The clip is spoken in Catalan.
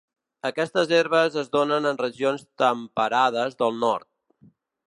Aquestes herbes es donen en regions temperades del nord.